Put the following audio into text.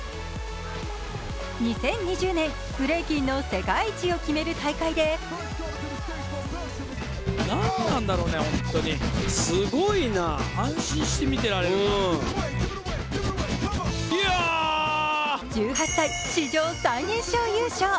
２０２０年ブレイキンの世界一を決める大会で１８歳、史上最年少優勝。